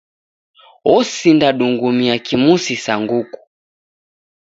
Osinda dungumia kimusi sa nguku.